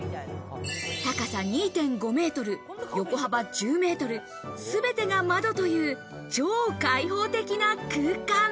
高さ２．５メートル、横幅１０メートル、すべてが窓という、超開放的な空間。